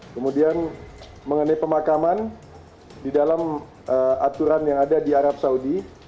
kemudian mengenai pemakaman di dalam aturan yang ada di arab saudi